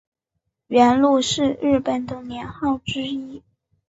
元禄是日本的年号之一。